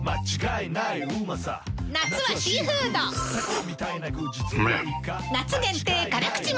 夏はシーフードうふふ！